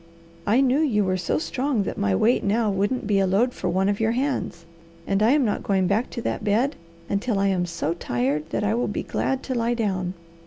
I knew you were so strong that my weight now wouldn't be a load for one of your hands, and I am not going back to that bed until I am so tired that I will be glad to lie down."